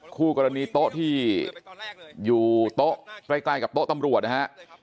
คู่กรณีโต๊ะที่อยู่โต๊ะใกล้กับโต๊ะตำรวจนะฮะ